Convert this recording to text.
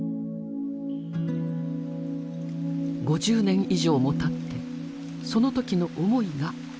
５０年以上もたってその時の思いがわき上がります。